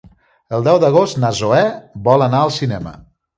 El deu d'agost na Zoè vol anar al cinema.